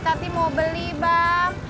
tadi mau beli bang